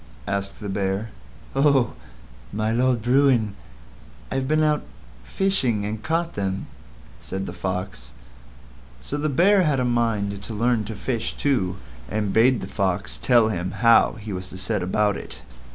asked the Bear. "Oh! My Lord Bruin, I've been out fishing and caught them," said the Fox. So the Bear had a mind to learn to fish too, and bade the Fox tell him how he was to set about it.